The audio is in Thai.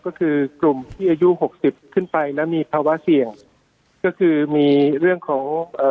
ก็คือกลุ่มที่อายุหกสิบขึ้นไปแล้วมีภาวะเสี่ยงก็คือมีเรื่องของเอ่อ